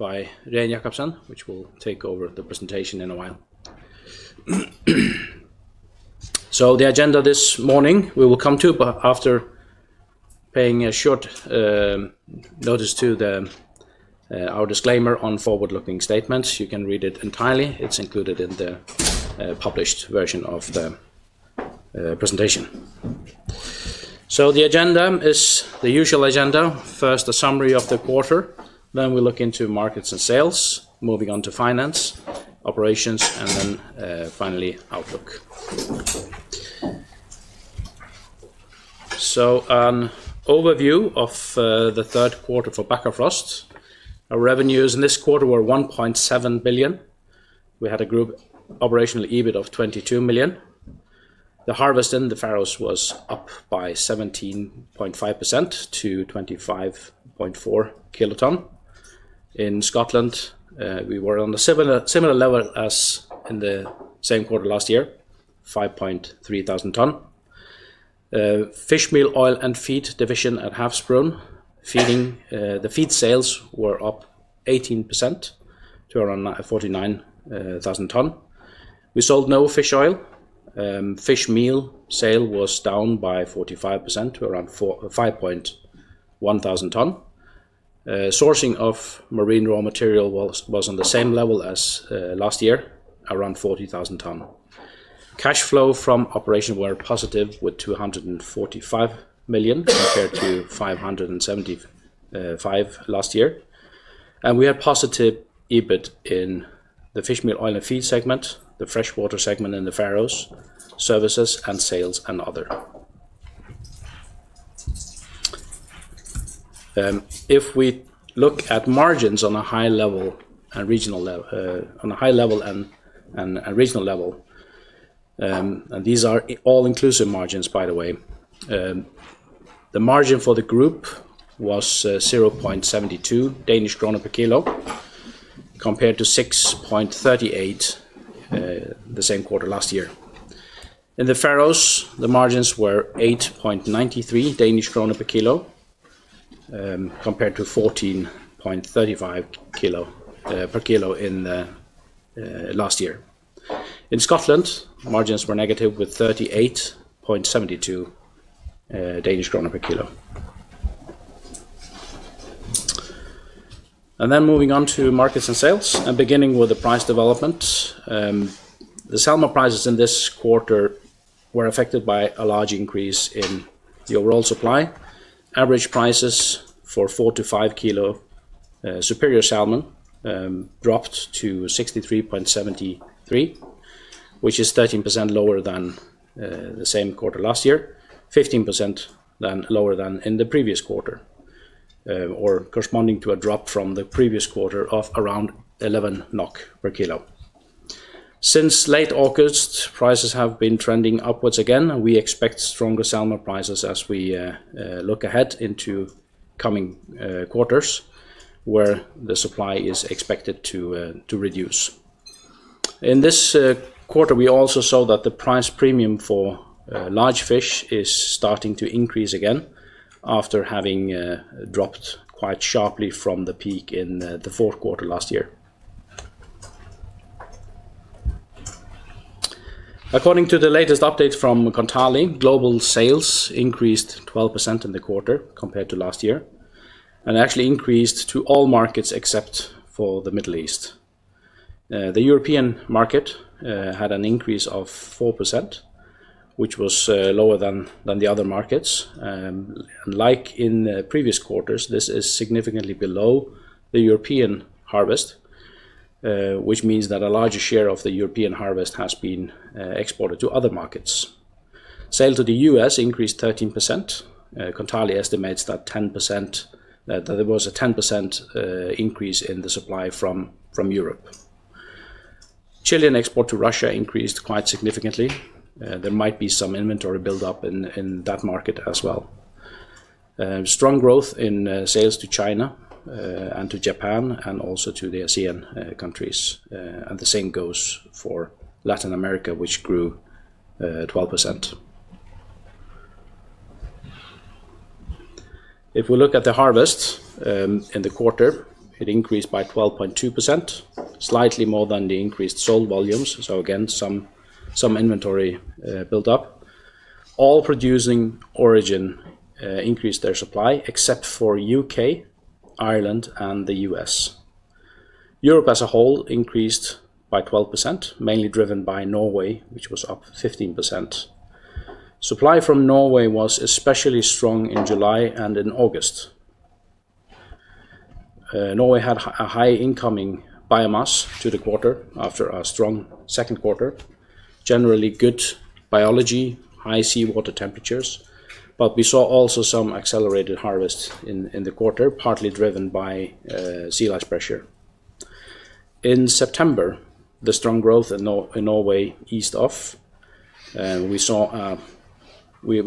Regin Jacobsen, which will take over the presentation in a while. The agenda this morning, we will come to, but after paying a short notice to our disclaimer on forward-looking statements, you can read it entirely. It is included in the published version of the presentation. The agenda is the usual agenda. First, a summary of the quarter. Then we look into markets and sales, moving on to finance, operations, and then finally outlook. An overview of the third quarter for Bakkafrost. Our revenues in this quarter were 1.7 billion. We had a group operational EBIT of 22 million. The harvest in the Faroes was up by 17.5% to 25.4 kt. In Scotland, we were on a similar level as in the same quarter last year, 5,300 tonne. Fishmeal, oil, and feed division at Havsbrún. The feed sales were up 18% to around 49,000 tonne. We sold no fish oil. Fishmeal sale was down by 45% to around 5,100 tonne. Sourcing of marine raw material was on the same level as last year, around 40,000 tonne. Cash flow from operation were positive with 245 million compared to 575 million last year. We had positive EBIT in the Fishmeal, Oil, and Feed segment, the Freshwater segment in the Faroes, services and sales, and other. If we look at margins on a high level and regional level. These are all-inclusive margins, by the way. The margin for the group was 0.72 Danish krone per kg compared to 6.38 the same quarter last year. In the Faroes, the margins were 8.93 Danish krone per kg compared to 14.35 per kg last year. In Scotland, margins were negative with 38.72 Danish krone per kg. Moving on to markets and sales and beginning with the price development. The salmon prices in this quarter were affected by a large increase in the overall supply. Average prices for 4 kg-5 kg superior salmon dropped to 63.73, which is 13% lower than the same quarter last year, 15% lower than in the previous quarter, or corresponding to a drop from the previous quarter of around 11 NOK per kg. Since late August, prices have been trending upwards again. We expect stronger salmon prices as we look ahead into coming quarters where the supply is expected to reduce. In this quarter, we also saw that the price premium for large fish is starting to increase again after having dropped quite sharply from the peak in the fourth quarter last year. According to the latest update from Kontali, global sales increased 12% in the quarter compared to last year and actually increased to all markets except for the Middle East. The European market had an increase of 4%, which was lower than the other markets. Like in previous quarters, this is significantly below the European harvest, which means that a larger share of the European harvest has been exported to other markets. Sales to the U.S. increased 13%. Kontali estimates that there was a 10% increase in the supply from Europe. Chilean export to Russia increased quite significantly. There might be some inventory build-up in that market as well. Strong growth in sales to China and to Japan and also to the ASEAN countries. The same goes for Latin America, which grew 12%. If we look at the harvest in the quarter, it increased by 12.2%, slightly more than the increased sold volumes. Again, some inventory build-up. All producing origin increased their supply except for the U.K., Ireland, and the U.S.. Europe as a whole increased by 12%, mainly driven by Norway, which was up 15%. Supply from Norway was especially strong in July and in August. Norway had a high incoming biomass to the quarter after a strong second quarter, generally good biology, high seawater temperatures. We saw also some accelerated harvest in the quarter, partly driven by sea lice pressure. In September, the strong growth in Norway eased off. We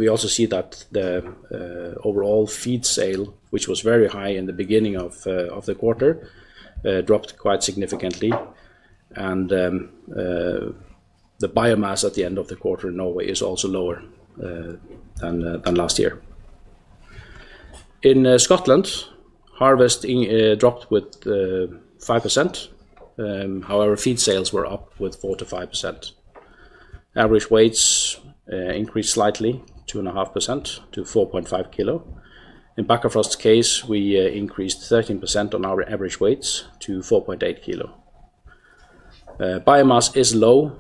also see that the overall feed sale, which was very high in the beginning of the quarter, dropped quite significantly. The biomass at the end of the quarter in Norway is also lower than last year. In Scotland, harvest dropped by 5%. However, feed sales were up by 4%-5%. Average weights increased slightly, 2.5 kg-4.5 kg. In Bakkafrost's case, we increased 13% on our average weights to 4.8 kg. Biomass is low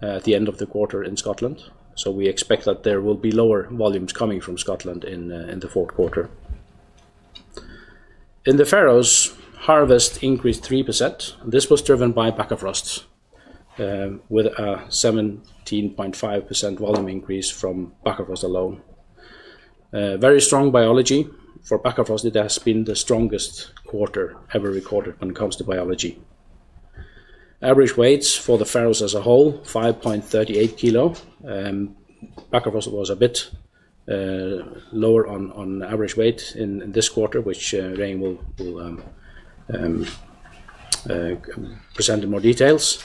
at the end of the quarter in Scotland, so we expect that there will be lower volumes coming from Scotland in the fourth quarter. In the Faroes, harvest increased 3%. This was driven by Bakkafrost, with a 17.5% volume increase from Bakkafrost alone. Very strong biology. For Bakkafrost, it has been the strongest quarter ever recorded when it comes to biology. Average weights for the Faroes as a whole, 5.38 kg. Bakkafrost was a bit lower on average weight in this quarter, which Regin will present in more details.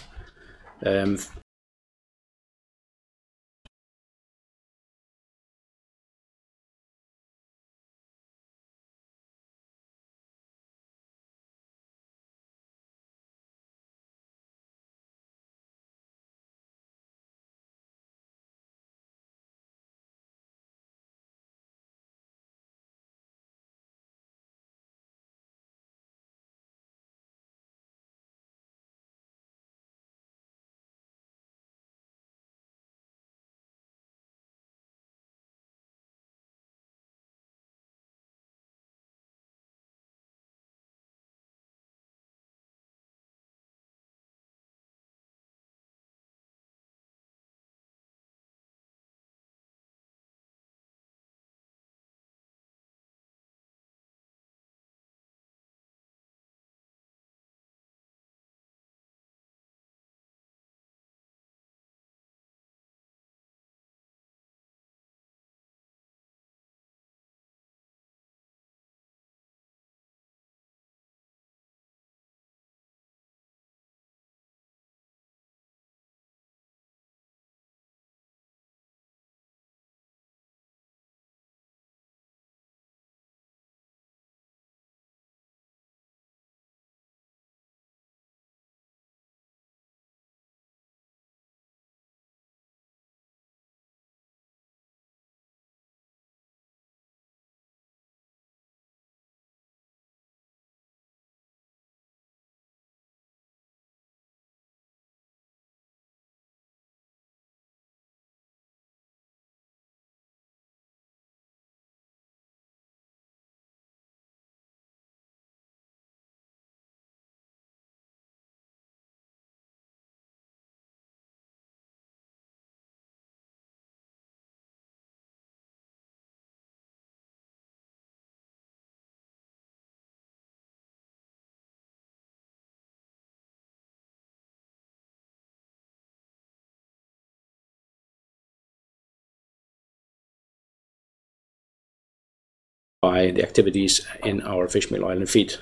By the activities in our fishmeal, oil, and feed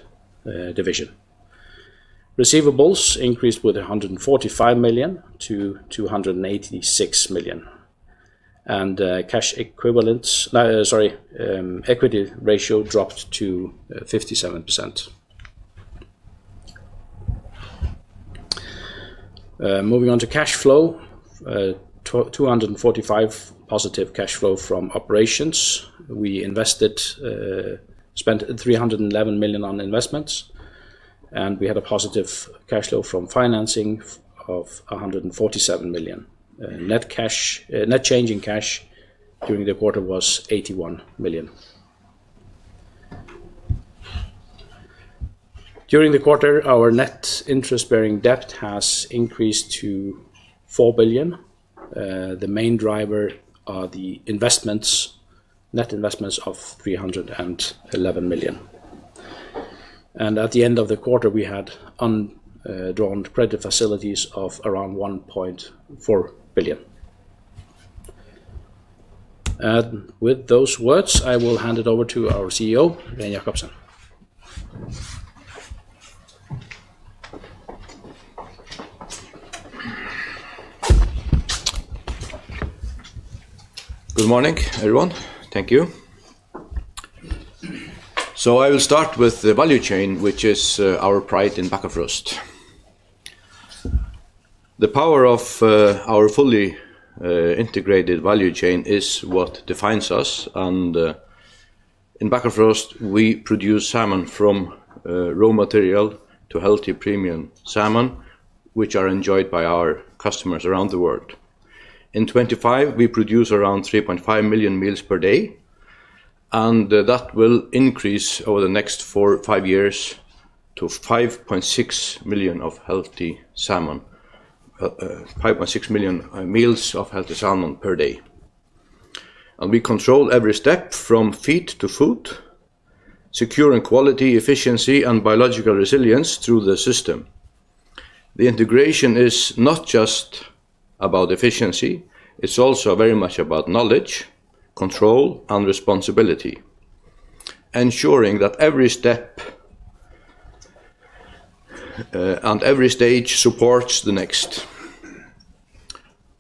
division, receivables increased by DKK 145 million-DKK 286 million. Equity ratio dropped to 57%. Moving on to cash flow, 245 million positive cash flow from operations. We spent 311 million on investments, and we had a positive cash flow from financing of 147 million. Net change in cash during the quarter was 81 million. During the quarter, our net interest-bearing debt has increased to 4 billion. The main driver are the investments, net investments of 311 million. At the end of the quarter, we had undrawn credit facilities of around 1.4 billion. With those words, I will hand it over to our CEO, Regin Jacobsen. Good morning, everyone. Thank you. I will start with the value chain, which is our pride in Bakkafrost. The power of our fully integrated value chain is what defines us. In Bakkafrost, we produce salmon from raw material to healthy premium salmon, which are enjoyed by our customers around the world. In 2025, we produce around 3.5 million meals per day. That will increase over the next five years to 5.6 million of healthy salmon, 5.6 million meals of healthy salmon per day. We control every step from feed to food, securing quality, efficiency, and biological resilience through the system. The integration is not just about efficiency. It is also very much about knowledge, control, and responsibility, ensuring that every step and every stage supports the next.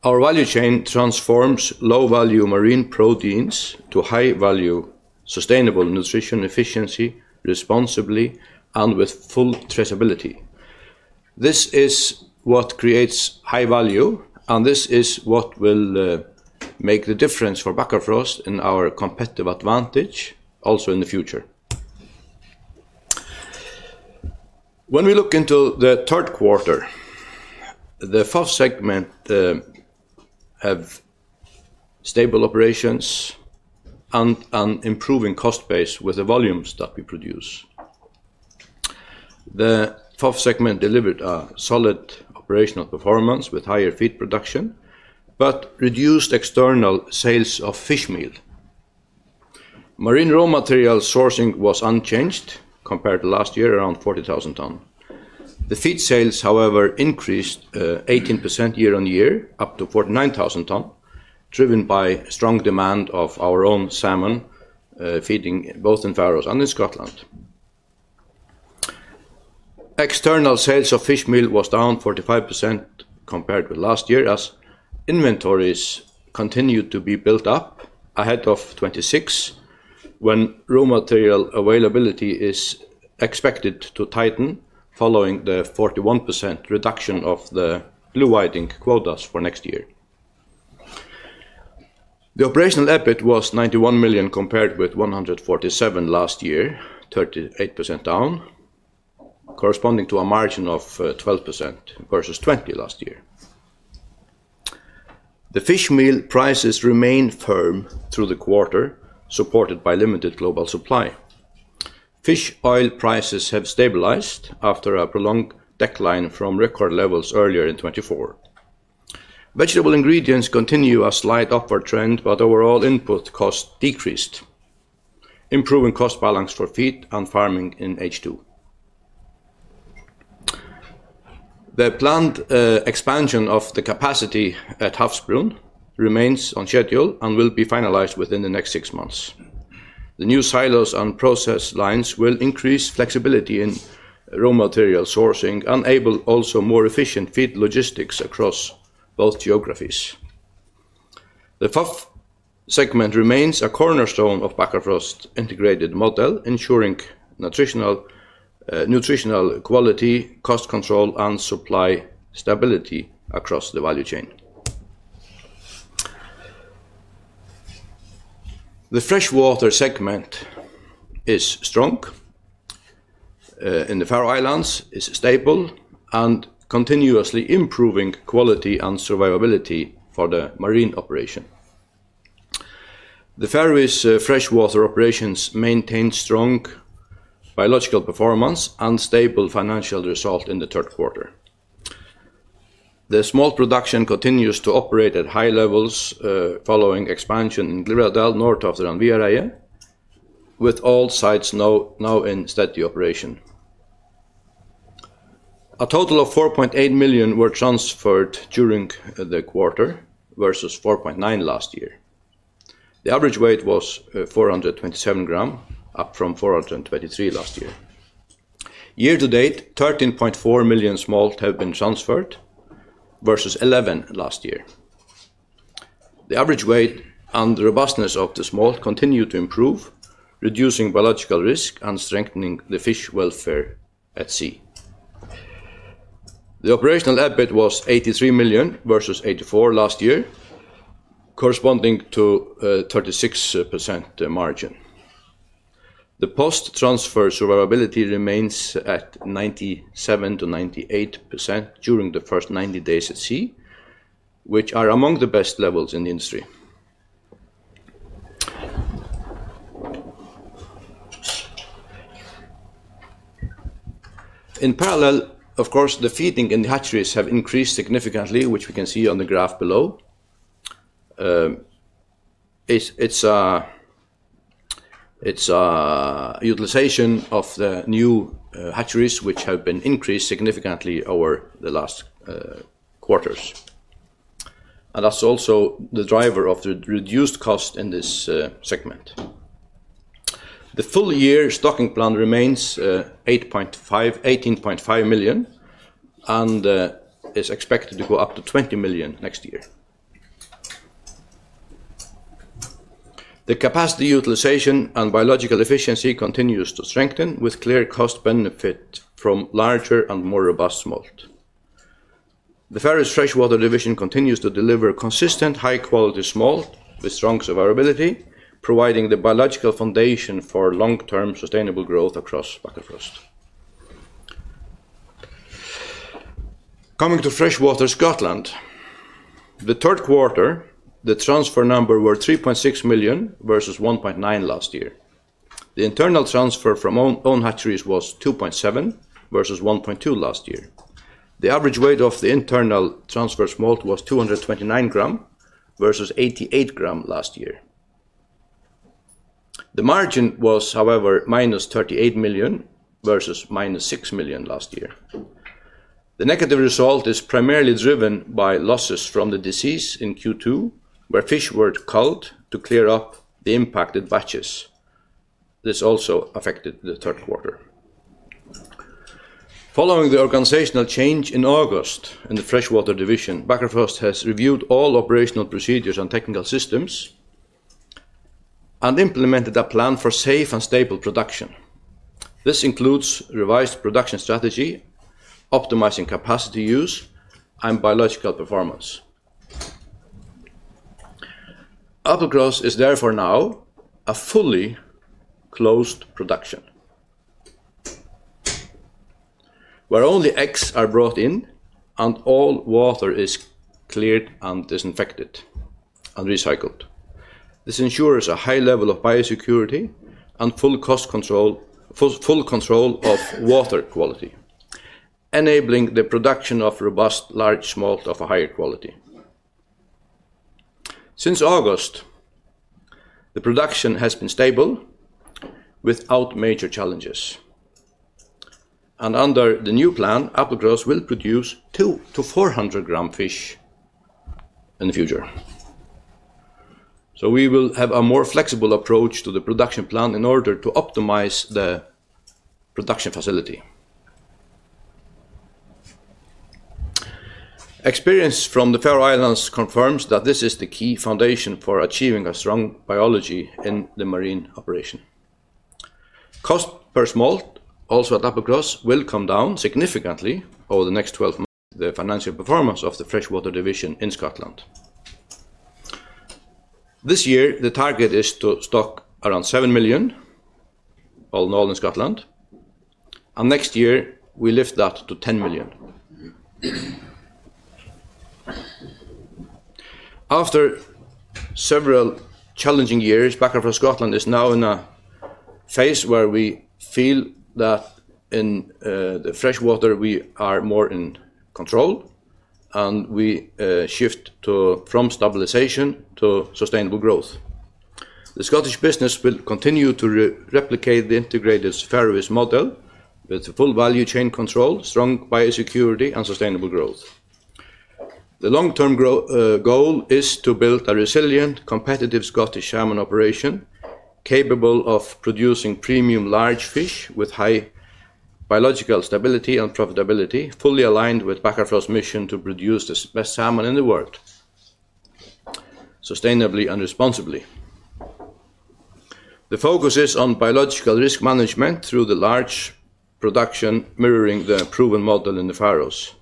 Our value chain transforms low-value marine proteins to high-value sustainable nutrition efficiently, responsibly, and with full traceability. This is what creates high value, and this is what will make the difference for Bakkafrost and our competitive advantage also in the future. When we look into the third quarter, the FOF segment has stable operations and an improving cost base with the volumes that we produce. The FOF segment delivered a solid operational performance with higher feed production, but reduced external sales of fishmeal. Marine raw material sourcing was unchanged compared to last year, around 40,000 tonne. The feed sales, however, increased 18% year on year, up to 49,000 tonne, driven by strong demand of our own salmon feeding both in the Faroes and in Scotland. External sales of fishmeal were down 45% compared with last year as inventories continued to be built up ahead of 2026, when raw material availability is expected to tighten following the 41% reduction of the blue whiting quotas for next year. The operational EBIT was 91 million compared with 147 million last year, 38% down, corresponding to a margin of 12% versus 20% last year. The fishmeal prices remain firm through the quarter, supported by limited global supply. Fish oil prices have stabilized after a prolonged decline from record levels earlier in 2024. Vegetable ingredients continue a slight upward trend, but overall input cost decreased, improving cost balance for feed and farming in H2. The planned expansion of the capacity at Havsbrún remains on schedule and will be finalized within the next six months. The new silos and process lines will increase flexibility in raw material sourcing, enabling also more efficient feed logistics across both geographies. The FOF segment remains a cornerstone of Bakkafrost's integrated model, ensuring nutritional quality, cost control, and supply stability across the value chain. The Freshwater segment is strong. In the Faroe Islands, it is stable and continuously improving quality and survivability for the marine operation. The Faroese freshwater operation maintain strong biological performance and stable financial result in the third quarter. The smolt production continues to operate at high levels following expansion in Glyvradal, north of the Runavík, with all sites now in steady operation. A total of 4.8 million were transferred during the quarter versus 4.9 million last year. The average weight was 427 g, up from 423 g last year. Year to date, 13.4 million smolt have been transferred versus 11 million last year. The average weight and robustness of the smolt continue to improve, reducing biological risk and strengthening the fish welfare at sea. The operational EBIT was 83 million versus 84 million last year, corresponding to a 36% margin. The post-transfer survivability remains at 97%-98% during the first 90 days at sea, which are among the best levels in the industry. In parallel, of course, the feeding and the hatcheries have increased significantly, which we can see on the graph below. It is a utilization of the new hatcheries, which have been increased significantly over the last quarters. That is also the driver of the reduced cost in this segment. The full year stocking plan remains 18.5 million and is expected to go up to 20 million next year. The capacity utilization and biological efficiency continue to strengthen with clear cost benefit from larger and more robust smolt. The Faroese freshwater division continues to deliver consistent high-quality smolt with strong survivability, providing the biological foundation for long-term sustainable growth across Bakkafrost. Coming to Freshwater Scotland. The third quarter, the transfer number was 3.6 million versus 1.9 million last year. The internal transfer from own hatcheries was 2.7 million versus 1.2 million last year. The average weight of the internal transfer smolt was 229 g versus 88 g last year. The margin was, however, minus 38 million versus minus 6 million last year. The negative result is primarily driven by losses from the disease in Q2, where fish were culled to clear up the impacted batches. This also affected the third quarter. Following the organizational change in August in the freshwater division, Bakkafrost has reviewed all operational procedures and technical systems and implemented a plan for safe and stable production. This includes revised production strategy, optimizing capacity use, and biological performance. Applecross is therefore now a fully closed production, where only eggs are brought in and all water is cleared and disinfected and recycled. This ensures a high level of biosecurity and full control of water quality, enabling the production of robust large smolt of a higher quality. Since August, the production has been stable without major challenges. Under the new plan, Applecross will produce 200 g-400 g fish in the future. We will have a more flexible approach to the production plan in order to optimize the production facility. Experience from the Faroe Islands confirms that this is the key foundation for achieving a strong biology in the marine operation. Cost per smolt, also at Applecross, will come down significantly over the next 12 months. The financial performance of the freshwater division in Scotland this year, the target is to stock around 7 million, all in Scotland, and next year, we lift that to 10 million. Several challenging years, Bakkafrost Scotland is now in a phase where we feel that. In the freshwater, we are more in control, and we shift from stabilization to sustainable growth. The Scottish business will continue to replicate the integrated [Scottish] model with full value chain control, strong biosecurity, and sustainable growth. The long-term goal is to build a resilient, competitive Scottish salmon operation capable of producing premium large fish with high biological stability and profitability, fully aligned with Bakkafrost's mission to produce the best salmon in the world. Sustainably and responsibly. The focus is on biological risk management through the large production mirroring the proven model in the Faroes.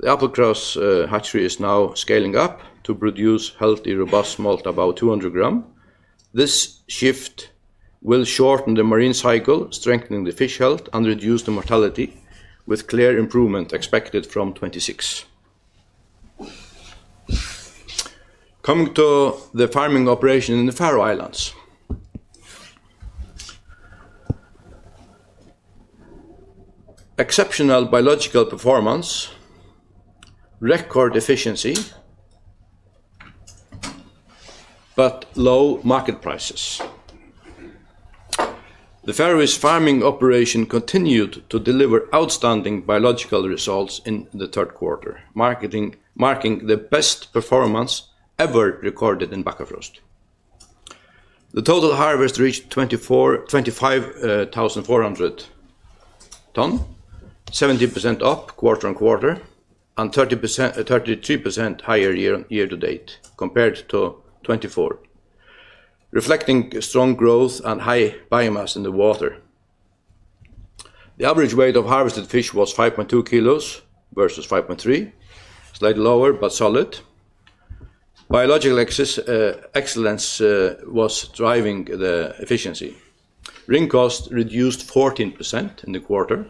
The Applecross hatchery is now scaling up to produce healthy, robust smolt to about 200 g. This shift will shorten the marine cycle, strengthen the fish health, and reduce the mortality, with clear improvement expected from 2026. Coming to the farming operation in the Faroe Islands. Exceptional biological performance. Record efficiency. But low market prices. The Faroes farming operation continued to deliver outstanding biological results in the third quarter, marking the best performance ever recorded in Bakkafrost. The total harvest reached 25,400 tonne, 70% up quarter on quarter and 33% higher year to date compared to 2024. Reflecting strong growth and high biomass in the water. The average weight of harvested fish was 5.2 kg versus 5.3 kg, slightly lower but solid. Biological excellence was driving the efficiency. Ring cost reduced 14% in the quarter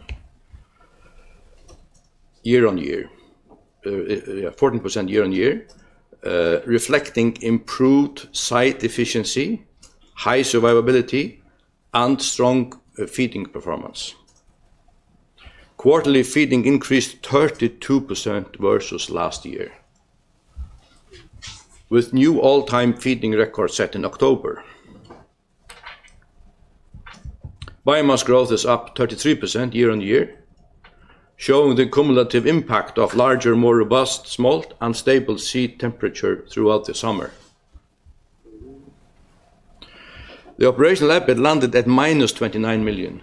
year on year. 14% year on year, reflecting improved site efficiency, high survivability, and strong feeding performance. Quarterly feeding increased 32% versus last year, with new all-time feeding record set in October. Biomass growth is up 33% year on year, showing the cumulative impact of larger, more robust smolt and stable sea temperature throughout the summer. The operational EBIT landed at -29 million,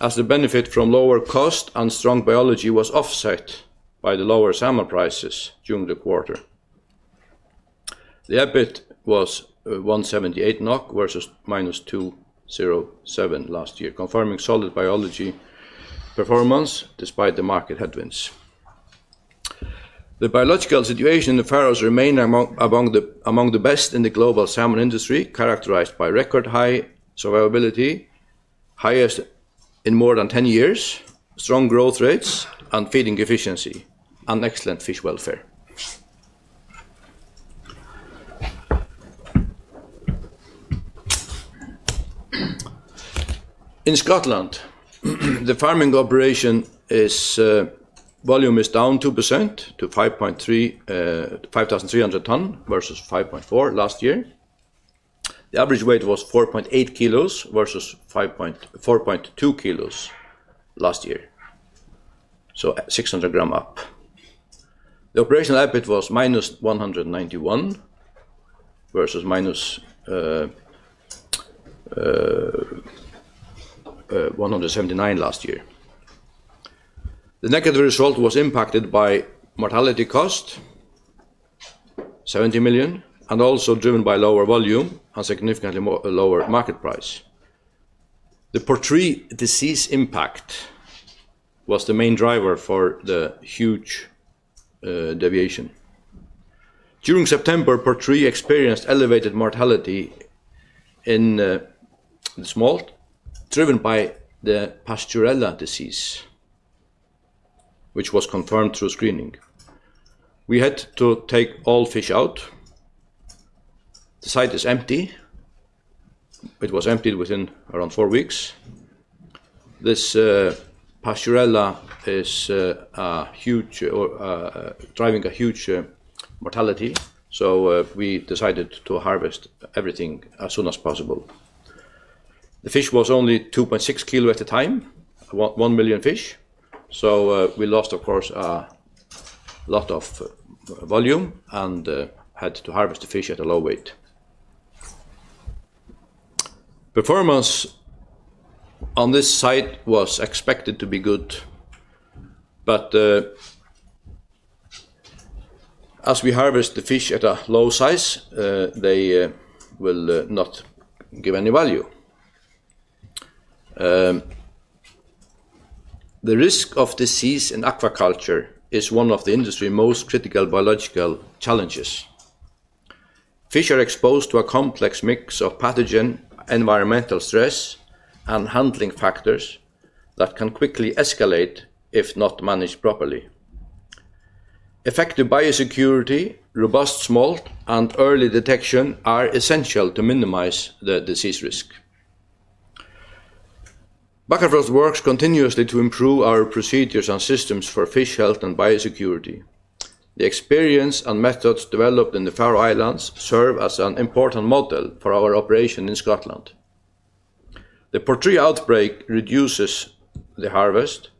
as the benefit from lower cost and strong biology was offset by the lower salmon prices during the quarter. The EBIT was 178 NOK versus -207 last year, confirming solid biology performance despite the market headwinds. The biological situation in the Faroes remains among the best in the global salmon industry, characterized by record high survivability, highest in more than 10 years, strong growth rates, and feeding efficiency, and excellent fish welfare. In Scotland, the farming operation volume is down 2% to 5.3, 5,300 tonne versus 5.4 last year. The average weight was 4.8 kg versus 4.2 kg last year, so 600 g up. The operational EBIT was -191 versus -179 last year. The negative result was impacted by mortality cost, 70 million, and also driven by lower volume and significantly lower market price. The Portree disease impact was the main driver for the huge deviation. During September, Portree experienced elevated mortality in the smolt, driven by the Pasteurella disease, which was confirmed through screening. We had to take all fish out. The site is empty. It was emptied within around four weeks. This Pasteurella is driving a huge mortality, so we decided to harvest everything as soon as possible. The fish was only 2.6 kg at the time, 1 million fish, so we lost, of course, a lot of volume and had to harvest the fish at a low weight. Performance on this site was expected to be good. As we harvest the fish at a low size, they will not give any value. The risk of disease in aquaculture is one of the industry's most critical biological challenges. Fish are exposed to a complex mix of pathogen, environmental stress, and handling factors that can quickly escalate if not managed properly. Effective biosecurity, robust smolt, and early detection are essential to minimize the disease risk. Bakkafrost works continuously to improve our procedures and systems for fish health and biosecurity. The experience and methods developed in the Faroe Islands serve as an important model for our operation in Scotland. The Portree outbreak reduces the harvest,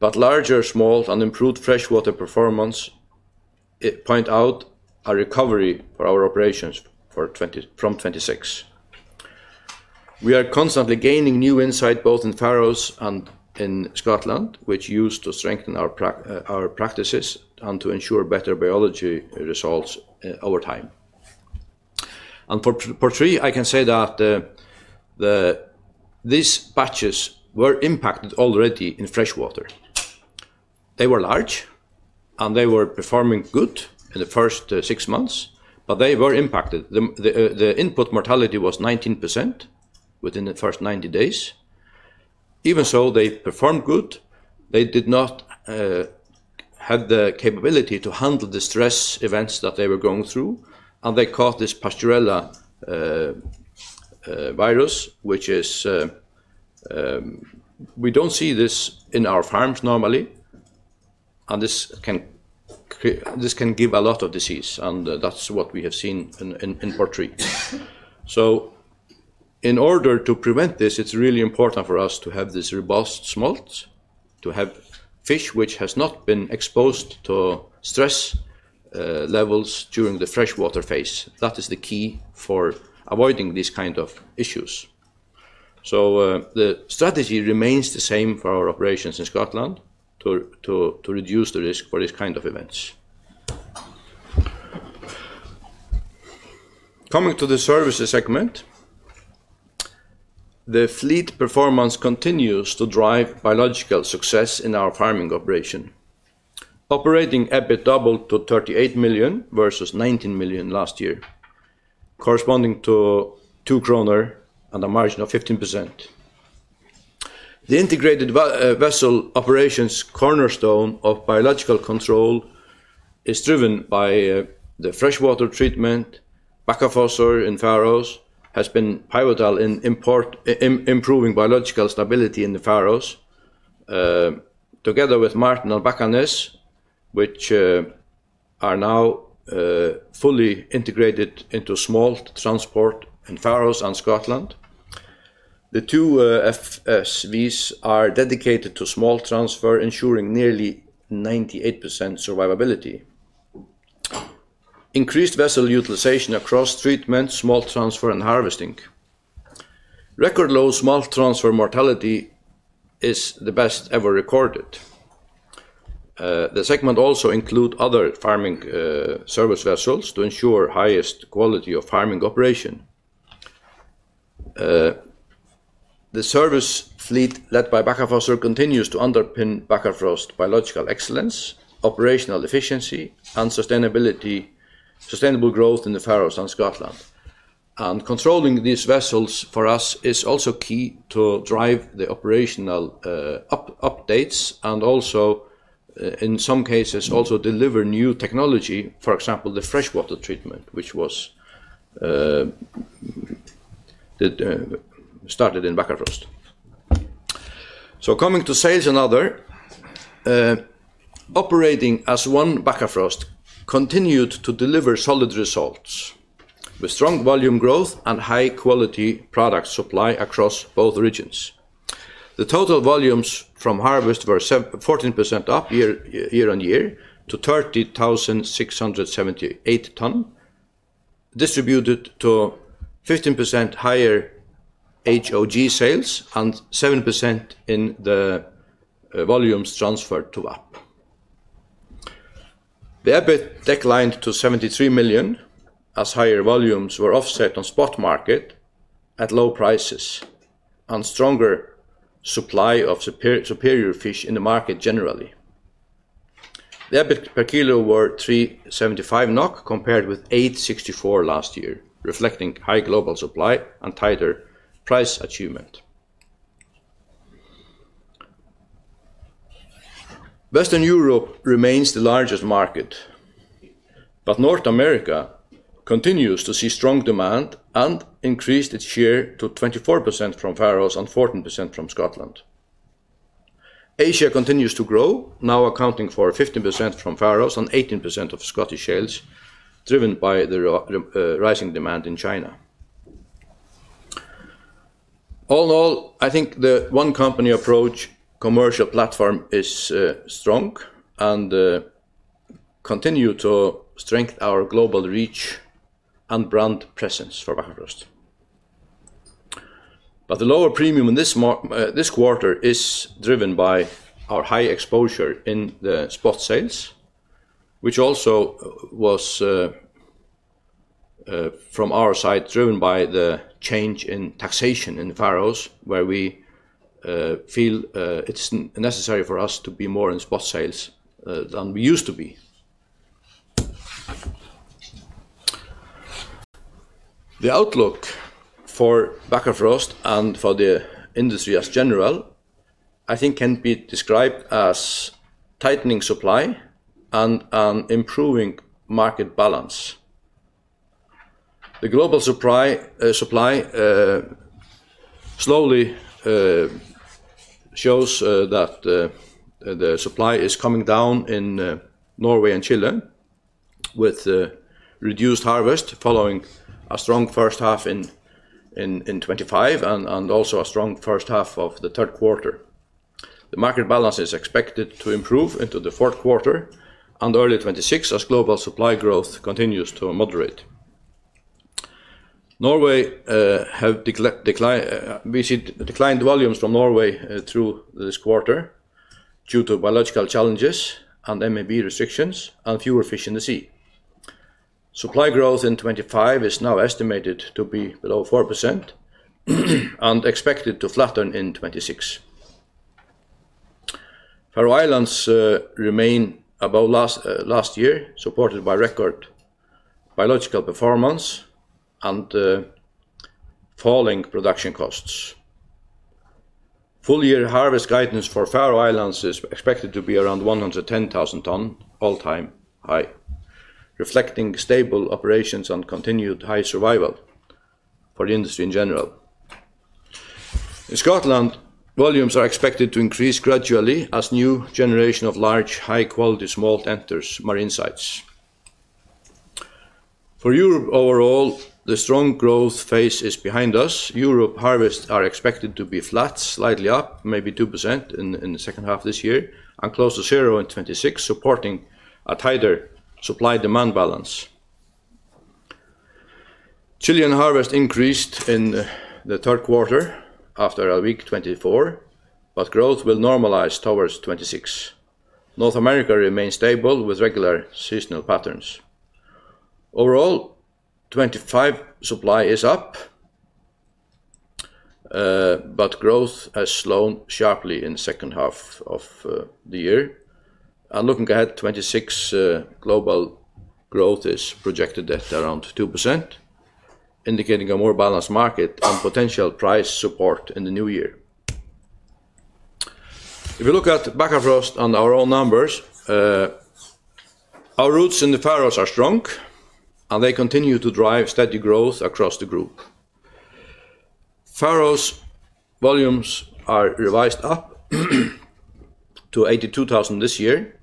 but larger smolt and improved freshwater performance point out a recovery for our operations from 2026. We are constantly gaining new insight both in the Faroes and in Scotland, which is used to strengthen our practices and to ensure better biology results over time. For Portree, I can say that these batches were impacted already in freshwater. They were large, and they were performing good in the first six months, but they were impacted. The input mortality was 19% within the first 90 days. Even so, they performed good. They did not have the capability to handle the stress events that they were going through, and they caught this Pasteurella virus, which is something we do not see in our farms normally. This can give a lot of disease, and that is what we have seen in Portree. In order to prevent this, it is really important for us to have this robust smolt, to have fish which have not been exposed to stress levels during the freshwater phase. That is the key for avoiding these kinds of issues. The strategy remains the same for our operations in Scotland to reduce the risk for these kinds of events. Coming to the Services segment, the fleet performance continues to drive biological success in our farming operation. Operating EBIT doubled to 38 million versus 19 million last year, corresponding to 2 kroner and a margin of 15%. The integrated vessel operation's cornerstone of biological control is driven by the freshwater treatment. Bakkafrost in the Faroes has been pivotal in improving biological stability in the Faroes. Together with Martin and Bakkanes, which are now fully integrated into smolt transport in the Faroes and Scotland, the two FSVs are dedicated to smolt transfer, ensuring nearly 98% survivability. Increased vessel utilization across treatment, smolt transfer, and harvesting. Record low smolt transfer mortality is the best ever recorded. The segment also includes other farming service vessels to ensure the highest quality of farming operation. The Service fleet led by Bakkafrost continues to underpin Bakkafrost biological excellence, operational efficiency, and sustainable growth in the Faroes and Scotland. Controlling these vessels for us is also key to drive the operational updates and also, in some cases, also deliver new technology, for example, the freshwater treatment, which was started in Bakkafrost. Coming to sales and other operating as one, Bakkafrost continued to deliver solid results with strong volume growth and high-quality product supply across both regions. The total volumes from harvest were 14% up year on year to 30,678 tonne, distributed to 15% higher HOG sales and 7% in the volumes transferred to VAP. The EBIT declined to 73 million as higher volumes were offset on spot market at low prices and stronger supply of superior fish in the market generally. The EBIT per kg was 3.75 NOK compared with 8.64 last year, reflecting high global supply and tighter price achievement. Western Europe remains the largest market. North America continues to see strong demand and increased its share to 24% from Faroes and 14% from Scotland. Asia continues to grow, now accounting for 15% from Faroes and 18% of Scottish shares, driven by the rising demand in China. All in all, I think the one company approach, commercial platform, is strong and continue to strengthen our global reach and brand presence for Bakkafrost. The lower premium in this quarter is driven by our high exposure in the spot sales, which also was from our side, driven by the change in taxation in Faroes, where we feel it's necessary for us to be more in spot sales than we used to be. The outlook for Bakkafrost and for the industry as general, I think, can be described as tightening supply and an improving market balance. The global supply slowly shows that the supply is coming down in Norway and Chile, with reduced harvest following a strong first half in 2025 and also a strong first half of the third quarter. The market balance is expected to improve into the fourth quarter and early 2026 as global supply growth continues to moderate. We see declined volumes from Norway through this quarter due to biological challenges and MEB restrictions and fewer fish in the sea. Supply growth in 2025 is now estimated to be below 4% and expected to flatten in 2026. Faroe Islands remain above last year, supported by record biological performance and falling production costs. Full-year harvest guidance for Faroe Islands is expected to be around 110,000 tonne, all-time high, reflecting stable operations and continued high survival. For the industry in general, in Scotland, volumes are expected to increase gradually as a new generation of large, high-quality smolt enters marine sites. For Europe overall, the strong growth phase is behind us. Europe harvests are expected to be flat, slightly up, maybe 2% in the second half of this year and close to 0 in 2026, supporting a tighter supply-demand balance. Chilean harvest increased in the third quarter after a weak 2024, but growth will normalize towards 2026. North America remains stable with regular seasonal patterns. Overall, 2025 supply is up, but growth has slowed sharply in the second half of the year. Looking ahead, 2026 global growth is projected at around 2%, indicating a more balanced market and potential price support in the new year. If we look at Bakkafrost and our own numbers, our roots in the Faroes are strong, and they continue to drive steady growth across the group. Faroes volumes are revised up to 82,000 this year,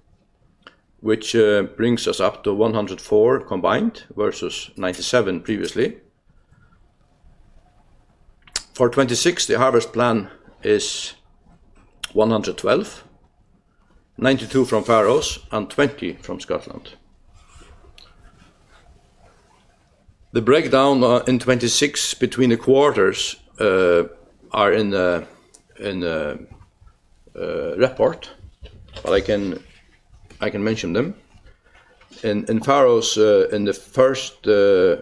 which brings us up to 104,000 combined versus 97,000 previously. For 2026, the harvest plan is 112,000: 92,000 from the Faroes and 20,000 from Scotland. The breakdown in 2026 between the quarters is in the report, but I can mention them. In the Faroes, in the first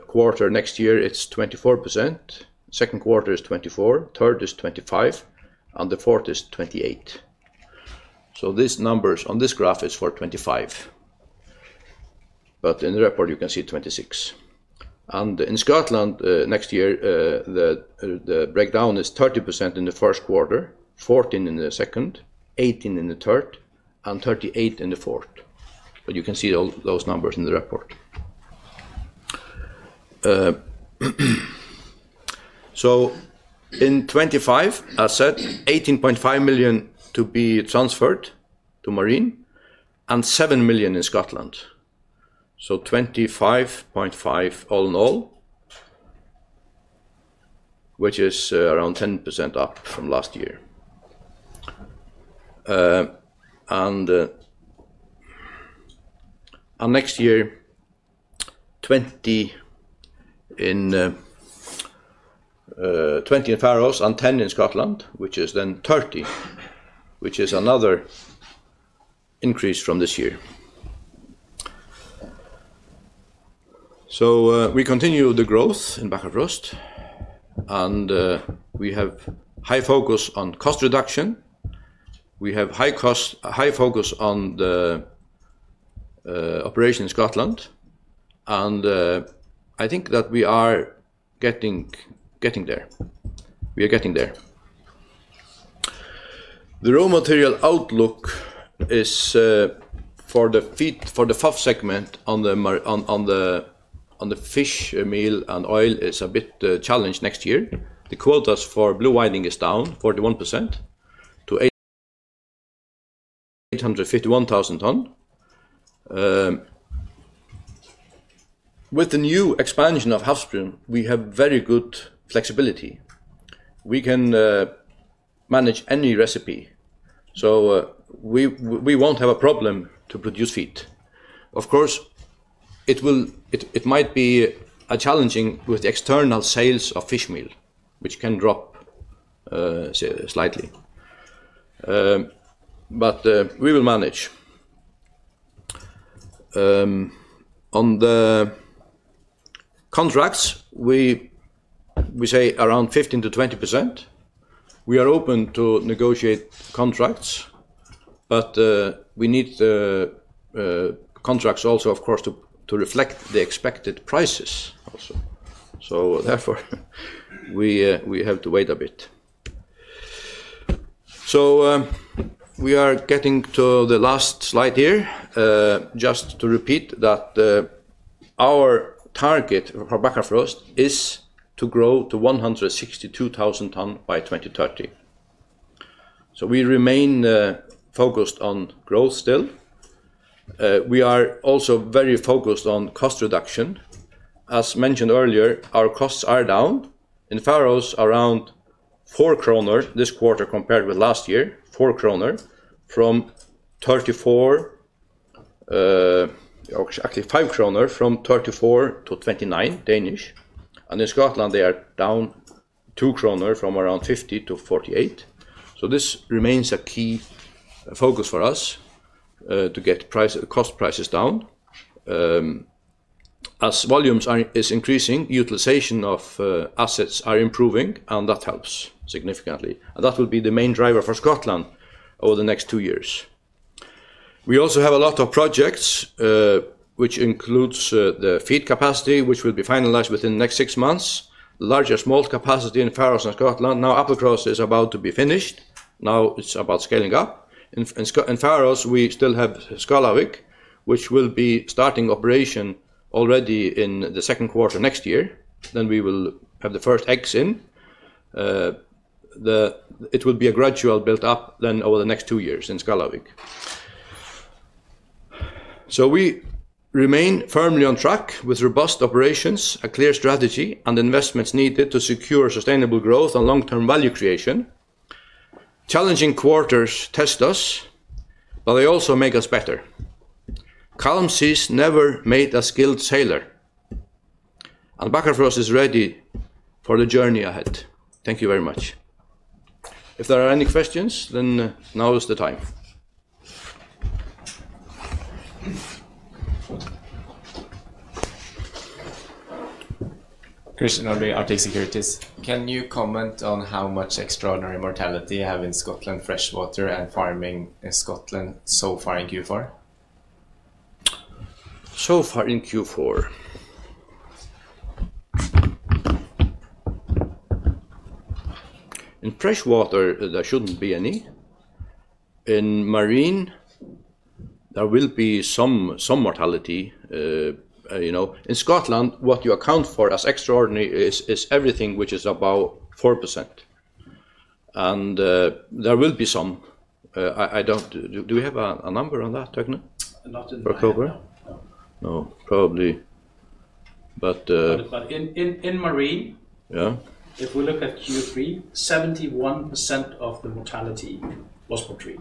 quarter next year, it is 24%. Second quarter is 24%, third is 25%, and the fourth is 28%. These numbers on this graph are for 2025, but in the report, you can see 2026. In Scotland next year, the breakdown is 30% in the first quarter, 14% in the second, 18% in the third, and 38% in the fourth. You can see those numbers in the report. In 2025, as said, 18.5 million to be transferred to marine and 7 million in Scotland, so 25.5 million all in all, which is around 10% up from last year. Next year, 20 million in the Faroes and 10 million in Scotland, which is then 30 million, which is another increase from this year. We continue the growth in Bakkafrost, and we have high focus on cost reduction. We have high focus on the operation in Scotland, and I think that we are getting there. We are getting there. The raw material outlook is, for the FOF segment on the fishmeal and oil, a bit challenged next year. The quotas for blue whiting are down 41% to 851,000 tonne. With the new expansion of Havsbrún, we have very good flexibility. We can manage any recipe, so we will not have a problem to produce feed. Of course, it might be challenging with the external sales of fishmeal, which can drop slightly, but we will manage. On the contracts, we say around 15%-20%. We are open to negotiate contracts, but we need contracts also, of course, to reflect the expected prices also. Therefore, we have to wait a bit. We are getting to the last slide here. Just to repeat that our target for Bakkafrost is to grow to 162,000 tonne by 2030. We remain focused on growth still. We are also very focused on cost reduction. As mentioned earlier, our costs are down in the Faroes, around 4 kroner this quarter compared with last year, 4 kroner from 34. Actually, 5 kroner from 34-29. In Scotland, they are down 2 kroner from around 50-48. This remains a key focus for us. To get cost prices down. As volumes are increasing, utilization of assets is improving, and that helps significantly. That will be the main driver for Scotland over the next two years. We also have a lot of projects, which include the feed capacity, which will be finalized within the next six months. Larger smolt capacity in the Faroes and Scotland. Now, Applecross is about to be finished. Now, it is about scaling up. In the Faroes, we still have Skálavík, which will be starting operation already in the second quarter next year. We will have the first eggs in. It will be a gradual build-up then over the next two years in Skálavík. We remain firmly on track with robust operations, a clear strategy, and investments needed to secure sustainable growth and long-term value creation. Challenging quarters test us. They also make us better. A calm sea has never made a skilled sailor. Bakkafrost is ready for the journey ahead. Thank you very much. If there are any questions, now is the time. Christian of Arctic Securities, can you comment on how much extraordinary mortality you have in Scotland, freshwater, and farming in Scotland so far in Q4? So far in Q4, in freshwater, there should not be any. In marine, there will be some mortality. In Scotland, what you account for as extraordinary is everything which is above 4%. There will be some. Do we have a number on that, Høgni? October? No. Probably. In marine, if we look at Q3, 71% of the mortality was Portree.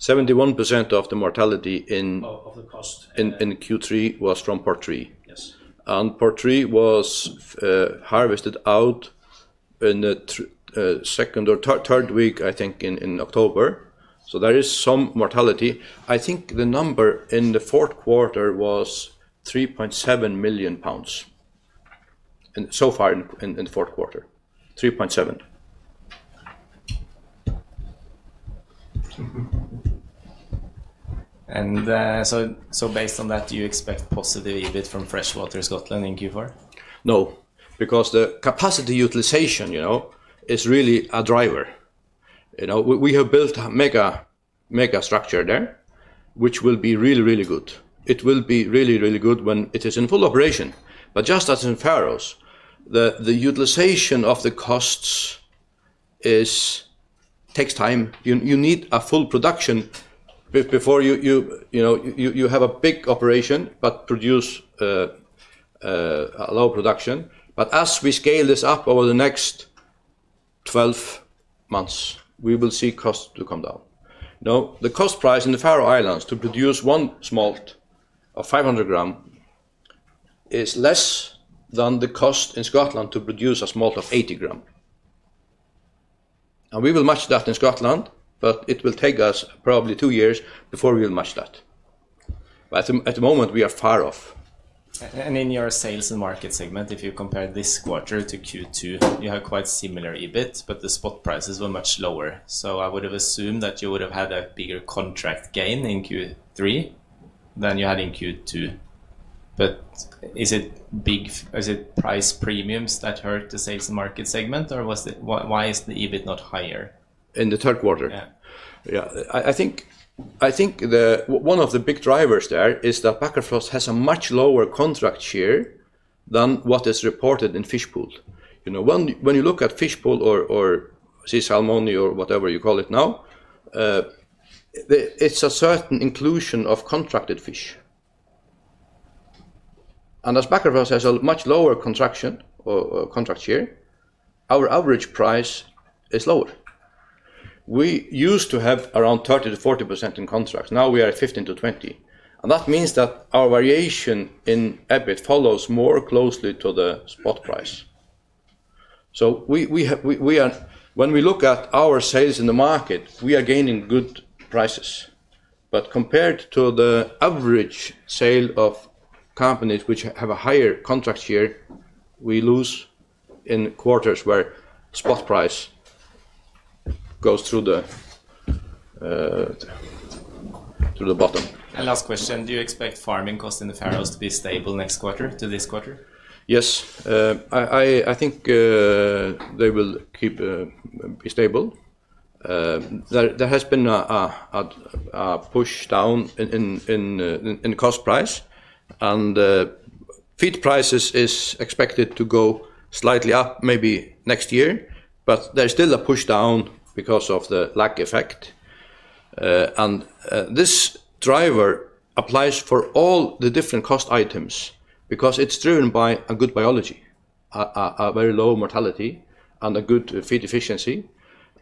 71% of the mortality, of the cost, in Q3 was from Portree. Portree was harvested out in the second or third week, I think, in October. There is some mortality. I think the number in the fourth quarter was 3.7 million pounds. So far in the fourth quarter, 3.7. Based on that, do you expect positive EBIT from freshwater in Scotland in Q4? No. Because the capacity utilization is really a driver. We have built a mega structure there, which will be really, really good. It will be really, really good when it is in full operation. Just as in the Faroes, the utilization of the costs takes time. You need a full production before you have a big operation but produce a low production. As we scale this up over the next 12 months, we will see costs come down. The cost price in the Faroe Islands to produce one smolt of 500 g is less than the cost in Scotland to produce a smolt of 80 g. We will match that in Scotland, but it will take us probably two years before we will match that. At the moment, we are far off. In your Sales and Market segment, if you compare this quarter to Q2, you have quite similar EBIT, but the spot prices were much lower. I would have assumed that you would have had a bigger contract gain in Q3 than you had in Q2. Is it price premiums that hurt the Sales and Market segment, or why is the EBIT not higher In the third quarter? Yeah. I think one of the big drivers there is that Bakkafrost has a much lower contract share than what is reported in Fish Pool. When you look at Fish Pool or Sea Salmon or whatever you call it now, it is a certain inclusion of contracted fish. As Bakkafrost has a much lower contract share, our average price is lower. We used to have around 30%-40% in contracts. Now we are 15%-20%. That means that our variation in EBIT follows more closely to the spot price. When we look at our sales in the market, we are gaining good prices, but compared to the average sale of companies which have a higher contract share, we lose in quarters where spot price goes through the bottom. Last question, do you expect farming costs in the Faroes to be stable next quarter to this quarter? Yes. I think they will be stable. There has been a push down in cost price. Feed prices are expected to go slightly up maybe next year, but there is still a push down because of the lag effect. This driver applies for all the different cost items because it is driven by a good biology, a very low mortality, and a good feed efficiency,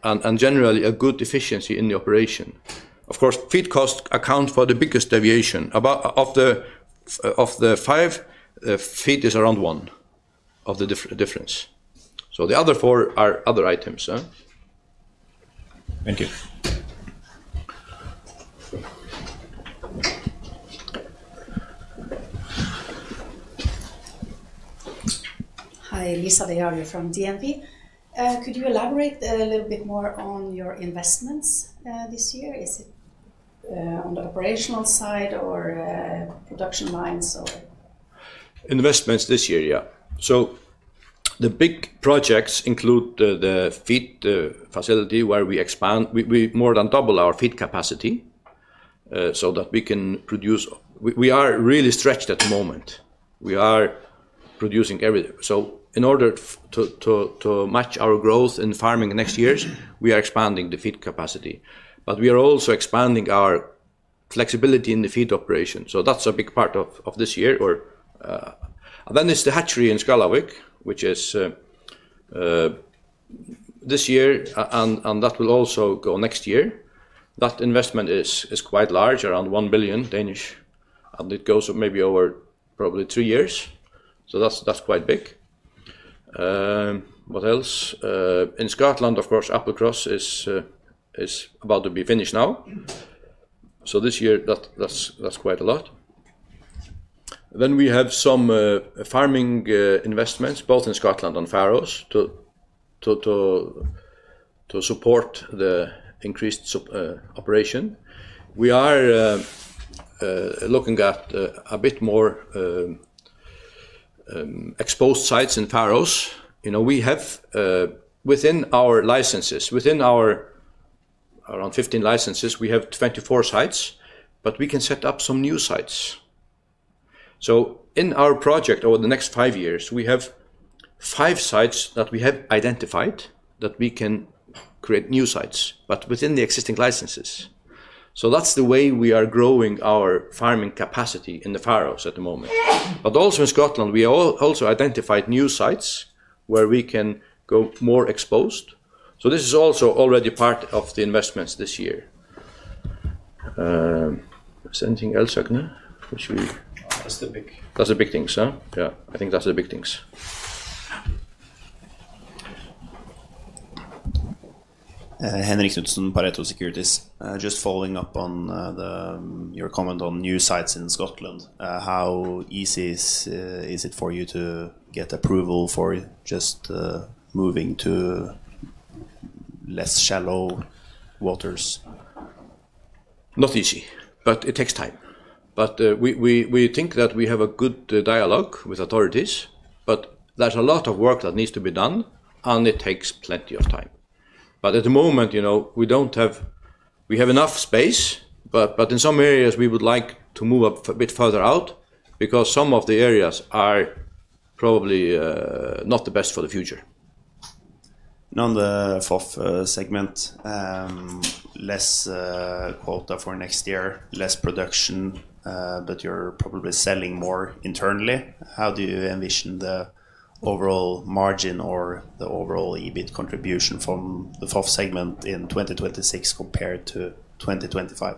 and generally a good efficiency in the operation. Of course, feed costs account for the biggest deviation. Of the five, feed is around one of the difference. The other four are other items. Thank you. Hi, Lisa de Jager from DNV. Could you elaborate a little bit more on your investments this year? Is it on the operational side or production lines or Investments this year. Yeah. The big projects include the feed facility where we expand. We more than double our feed capacity so that we can produce. We are really stretched at the moment. We are producing everything. In order to match our growth in farming next year, we are expanding the feed capacity. We are also expanding our flexibility in the feed operation, so that is a big part of this year. Then it is the hatchery in Skálavík, which is this year, and that will also go next year. That investment is quite large, around 1 billion, and it goes maybe over probably three years. That is quite big. What else? In Scotland, of course, Applecross is about to be finished now. This year, that is quite a lot. Then we have some farming investments, both in Scotland and Faroes, too. Support the increased operation. We are looking at a bit more exposed sites in the Faroes. Within our licenses, within around 15 licenses, we have 24 sites, but we can set up some new sites. In our project over the next five years, we have five sites that we have identified that we can create new sites, but within the existing licenses. That is the way we are growing our farming capacity in the Faroes at the moment. Also in Scotland, we have identified new sites where we can go more exposed. This is also already part of the investments this year. Is there anything else, That is the big things. Yeah. I think that is the big things. Henrik Knutsen from Pareto Securities. Just following up on your comment on new sites in Scotland, how easy is it for you to get approval for just moving to less shallow waters? Not easy, but it takes time. We think that we have a good dialogue with authorities, but there is a lot of work that needs to be done, and it takes plenty of time. At the moment, we do not have enough space, but in some areas, we would like to move a bit further out because some of the areas are probably not the best for the future. Now, the FOF segment. Less quota for next year, less production, but you are probably selling more internally. How do you envision the overall margin or the overall EBIT contribution from the FOF segment in 2026 compared to 2025?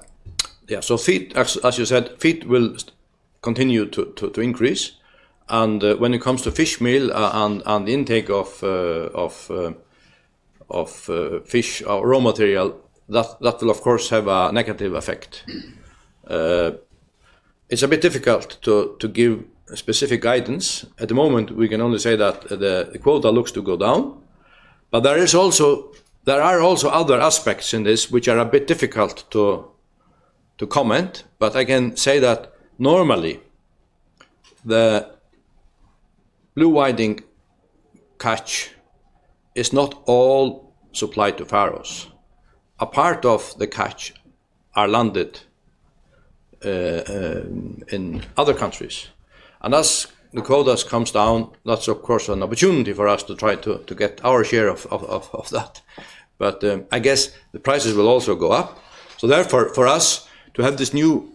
Yeah. As you said, feed will continue to increase. When it comes to fishmeal and intake of fish or raw material, that will, of course, have a negative effect. It is a bit difficult to give specific guidance. At the moment, we can only say that the quota looks to go down. There are also other aspects in this which are a bit difficult to comment. I can say that normally the blue whiting catch is not all supplied to the Faroes. A part of the catch is landed in other countries. As the quota comes down, that is, of course, an opportunity for us to try to get our share of that. I guess the prices will also go up. For us to have this new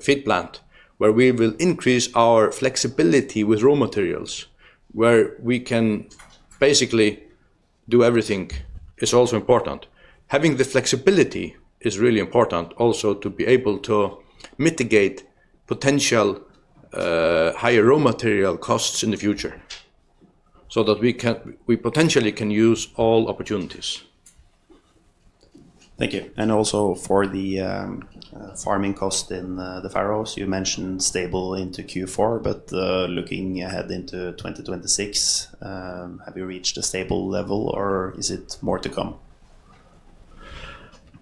feed plant where we will increase our flexibility with raw materials, where we can basically do everything, is also important. Having the flexibility is really important also to be able to mitigate potential higher raw material costs in the future so that we potentially can use all opportunities. Thank you. Also for the farming cost in the Faroes, you mentioned stable into Q4, but looking ahead into 2026. Have you reached a stable level, or is it more to come?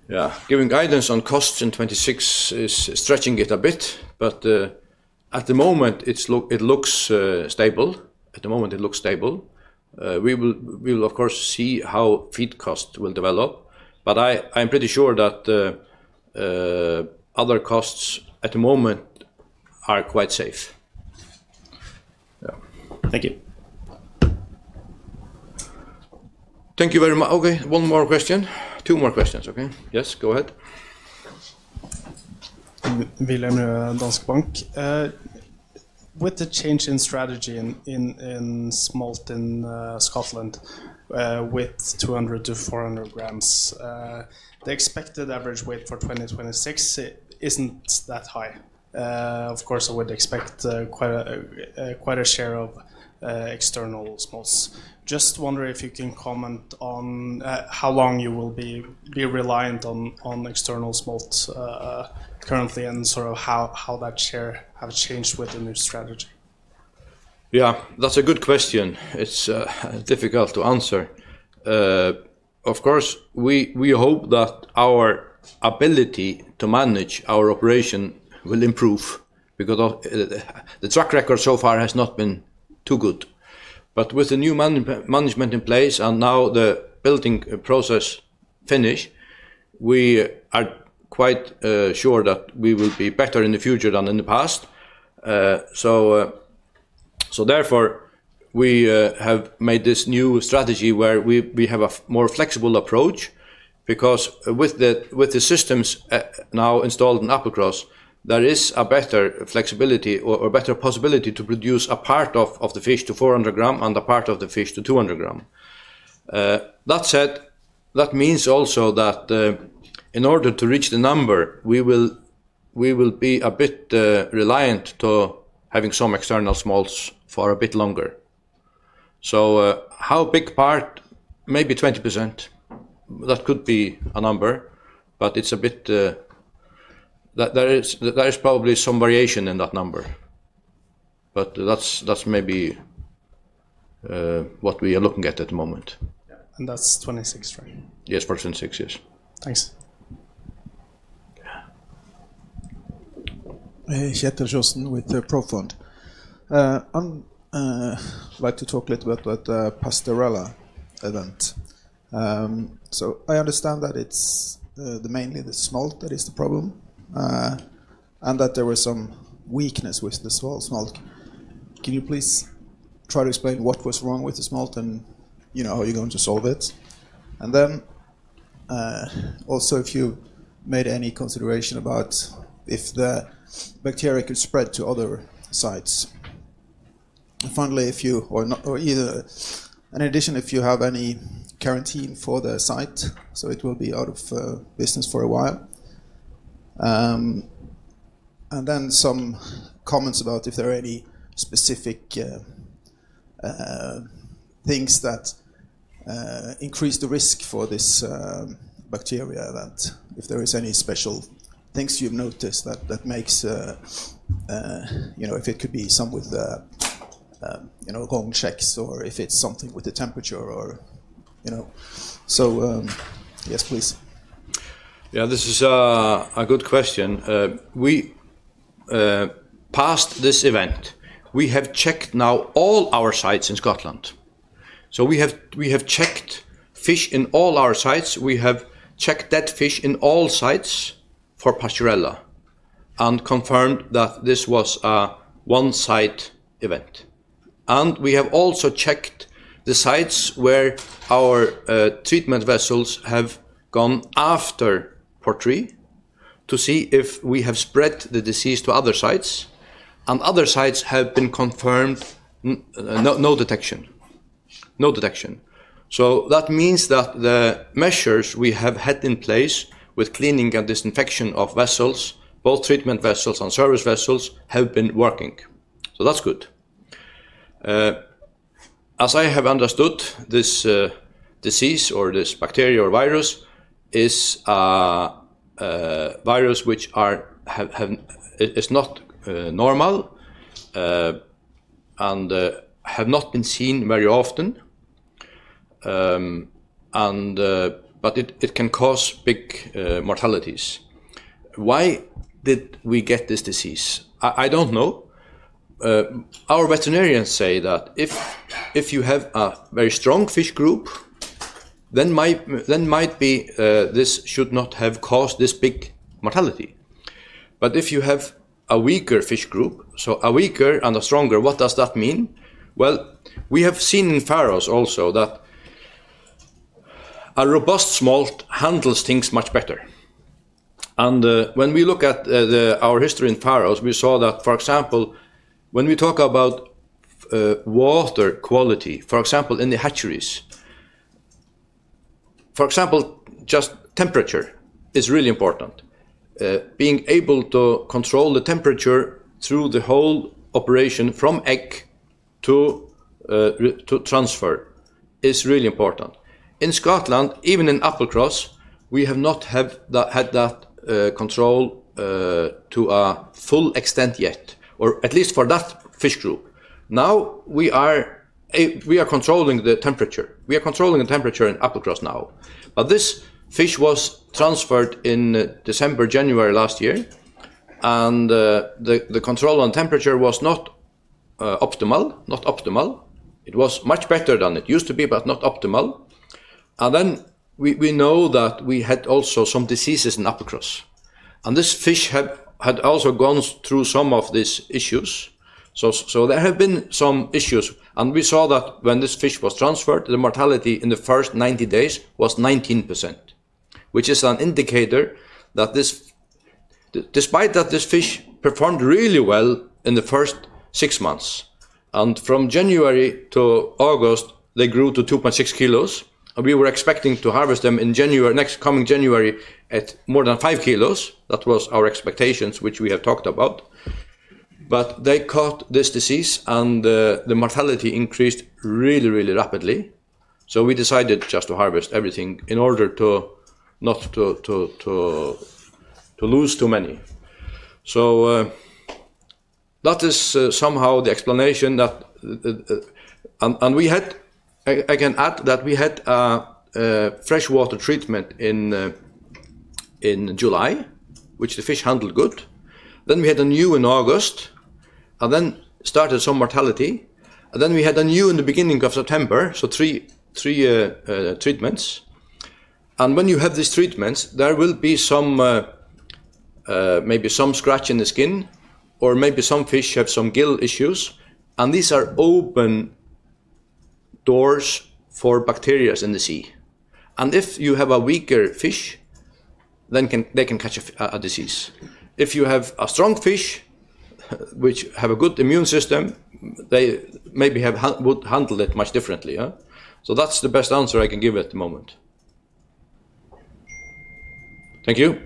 Yeah. Giving guidance on costs in 2026 is stretching it a bit, but at the moment, it looks stable. At the moment, it looks stable. We will, of course, see how feed costs will develop, but I am pretty sure that other costs at the moment are quite safe. Yeah. Thank you. Thank you very much. Okay. One more question. Two more questions, okay? Yes. Go ahead. Wilhelm from Danske Bank. With the change in strategy in smolt in Scotland, with 200 g-400 g, the expected average weight for 2026 is not that high. Of course, I would expect quite a share of external smolts. Just wondering if you can comment on how long you will be reliant on external smolts currently, and sort of how that share has changed with the new strategy. Yeah. That's a good question. It's difficult to answer. Of course, we hope that our ability to manage our operation will improve because the track record so far has not been too good. With the new management in place and now the building process finished, we are quite sure that we will be better in the future than in the past. Therefore, we have made this new strategy where we have a more flexible approach because with the systems now installed in Applecross, there is a better flexibility or better possibility to produce a part of the fish to 400 g and a part of the fish to 200 g. That said, that means also that in order to reach the number, we will be a bit reliant on having some external smolts for a bit longer. How big part? Maybe 20%. That could be a number, but it's a bit, there is probably some variation in that number. That's maybe what we are looking at at the moment. And that's 2026, right? Yes. For 2026, yes. Thanks. Hey, [Heather Jessen with Proxima]. I'd like to talk a little bit about the Pasteurella event. I understand that it's mainly the smolt that is the problem and that there was some weakness with the small smolt. Can you please try to explain what was wrong with the smolt and how you're going to solve it? Also, if you made any consideration about if the bacteria could spread to other sites. Finally, if you or either in addition, if you have any quarantine for the site, so it will be out of business for a while. Some comments about if there are any specific things that increase the risk for this bacteria event, if there are any special things you've noticed that makes, if it could be something with wrong checks or if it's something with the temperature or. Yes, please. Yeah, this is a good question. Past this event, we have checked now all our sites in Scotland. We have checked fish in all our sites. We have checked dead fish in all sites for Pasteurella and confirmed that this was a one-site event. We have also checked the sites where our treatment vessels have gone after. Portree to see if we have spread the disease to other sites. Other sites have been confirmed. No detection. No detection. That means that the measures we have had in place with cleaning and disinfection of vessels, both treatment vessels and service vessels, have been working. That is good. As I have understood this, disease or this bacteria or virus is a virus which is not normal and has not been seen very often, but it can cause big mortalities. Why did we get this disease? I do not know. Our veterinarians say that if you have a very strong fish group, then this should not have caused this big mortality. If you have a weaker fish group, so a weaker and a stronger, what does that mean? We have seen in Faroes also that a robust smolt handles things much better. When we look at our history in Faroes, we saw that, for example, when we talk about water quality, for example, in the hatcheries, for example, just temperature is really important. Being able to control the temperature through the whole operation from egg to transfer is really important. In Scotland, even in Applecross, we have not had that control to a full extent yet, or at least for that fish group. Now, we are controlling the temperature. We are controlling the temperature in Applecross now. This fish was transferred in December, January last year, and the control on temperature was not optimal. It was much better than it used to be, but not optimal. We know that we had also some diseases in Applecross, and this fish had also gone through some of these issues. There have been some issues. We saw that when this fish was transferred, the mortality in the first 90 days was 19%, which is an indicator that, despite that, this fish performed really well in the first six months. From January to August, they grew to 2.6 kg. We were expecting to harvest them in coming January at more than 5 kg. That was our expectations, which we have talked about. They caught this disease, and the mortality increased really, really rapidly. We decided just to harvest everything in order not to lose too many. That is somehow the explanation. I can add that we had freshwater treatment in July, which the fish handled good. Then we had a new one in August, and then started some mortality. We had a new one in the beginning of September, so three treatments. When you have these treatments, there will be maybe some scratch in the skin, or maybe some fish have some gill issues. These are open doors for bacteria in the sea. If you have a weaker fish, then they can catch a disease. If you have a strong fish. Which has a good immune system, they maybe would handle it much differently. That is the best answer I can give at the moment. Thank you.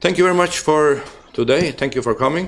Thank you very much for today. Thank you for coming.